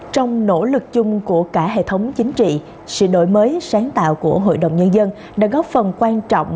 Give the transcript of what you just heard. trong nỗ lực chung của cả hệ thống chính trị sự đổi mới sáng tạo của hội đồng nhân dân đã góp phần quan trọng